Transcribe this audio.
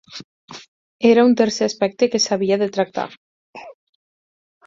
Era un tercer aspecte que s"havia de tractar.